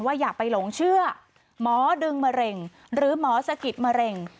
อย่าไปหลงเชื่อหมอดึงมะเร็งหรือหมอสะกิดมะเร็ง